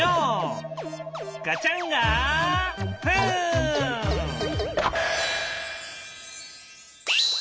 ガチャンガフン！